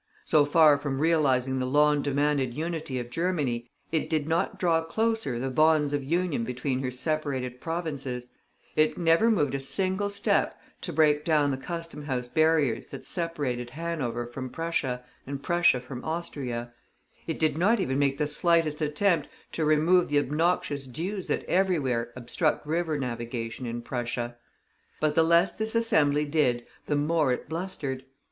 So far from realizing the long demanded unity of Germany, it did not dispossess the most insignificant of the princes who ruled her; it did not draw closer the bonds of union between her separated provinces; it never moved a single step to break down the customhouse barriers that separated Hanover from Prussia, and Prussia from Austria; it did not even make the slightest attempt to remove the obnoxious dues that everywhere obstruct river navigation in Prussia. But the less this Assembly did the more it blustered.